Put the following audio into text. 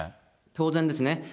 当然ですね。